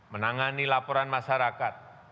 menangani laporan masyarakat